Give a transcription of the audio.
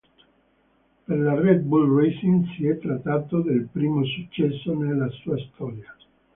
Per la Red Bull Racing si è trattato del primo successo nella sua storia.